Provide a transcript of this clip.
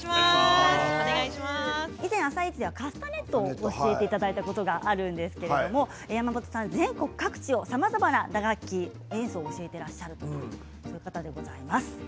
以前、「あさイチ」ではカスタネットを教えていただいたことがあるんですけれども山本さん、全国各地さまざまな打楽器の演奏を教えていらっしゃるという方でございます。